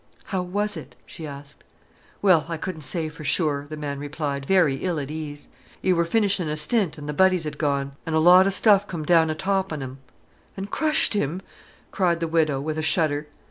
"How was it?" she asked. "Well, I couldn't say for sure," the man replied, very ill at ease. "'E wor finishin' a stint an' th' butties 'ad gone, an' a lot o' stuff come down atop 'n 'im." "And crushed him?" cried the widow, with a shudder.